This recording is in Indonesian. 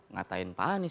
ngatain pak anis